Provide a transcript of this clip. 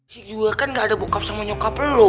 si juga kan gak ada bokap sama nyokap lo